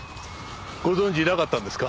ご存じなかったんですか？